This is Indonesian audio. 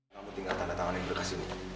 kamu tinggal tanda tangan yang berkas ini